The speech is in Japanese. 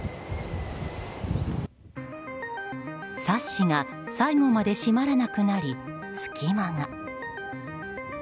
サッシが最後まで閉まらなくなり、隙間が。